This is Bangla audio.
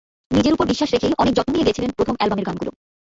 নিজের ওপর বিশ্বাস রেখেই অনেক যত্ন নিয়ে গেয়েছিলেন প্রথম অ্যালবামের গানগুলো।